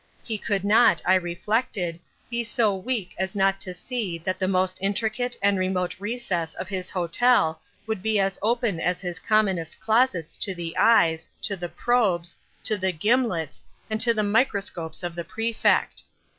He could not, I reflected, be so weak as not to see that the most intricate and remote recess of his hotel would be as open as his commonest closets to the eyes, to the probes, to the gimlets, and to the microscopes of the Prefect.